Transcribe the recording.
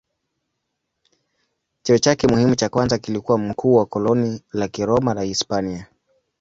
Cheo chake muhimu cha kwanza kilikuwa mkuu wa koloni la Kiroma la Hispania.